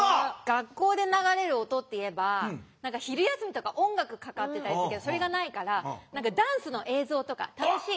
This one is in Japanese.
学校で流れる音っていえば何か昼休みとか音楽かかってたりするけどそれがないからダンスの映像とか楽しい。